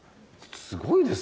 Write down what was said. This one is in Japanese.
すごいですね！